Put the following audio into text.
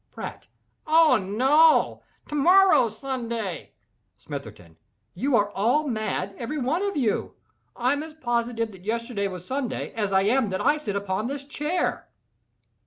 PRATT. "Oh no!—to morrow's Sunday." SMITHERTON. "You are all mad—every one of you. I am as positive that yesterday was Sunday as I am that I sit upon this chair."